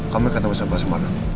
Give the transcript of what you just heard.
kamu ikut sama sama semuanya